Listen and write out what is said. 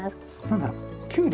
何だろう？